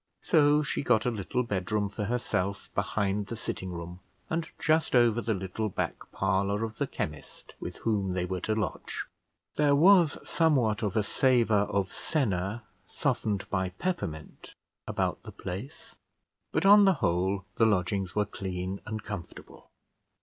So she got a little bedroom for herself behind the sitting room, and just over the little back parlour of the chemist, with whom they were to lodge. There was somewhat of a savour of senna softened by peppermint about the place; but, on the whole, the lodgings were clean and comfortable.